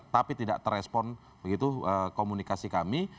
tapi tidak terespon begitu komunikasi kami